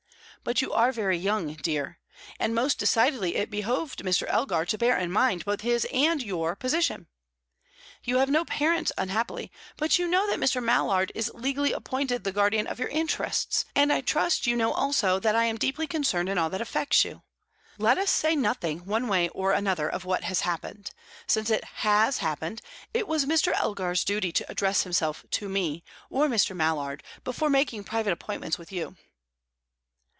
But you are very young, dear, and most decidedly it behoved Mr. Elgar to bear in mind both his and your position. You have no parents, unhappily, but you know that Mr. Mallard is legally appointed the guardian of your interests, and I trust you know also that I am deeply concerned in all that affects you. Let us say nothing, one way or another, of what has happened. Since it has happened, it was Mr. Elgar's duty to address himself to me, or to Mr. Mallard, before making private appointments with you."